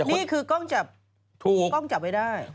นี่คือก้องจับไว้ได้